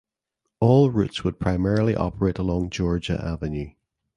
All routes would primarily operate along Georgia Avenue.